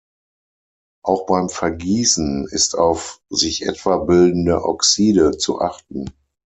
Auch beim Vergießen ist auf sich etwa bildende Oxide zu achten.